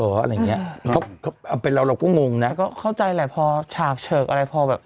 อะไรอย่างเงี้ยเขาเอาเป็นเราเราก็งงนะก็เข้าใจแหละพอฉากเฉิกอะไรพอแบบ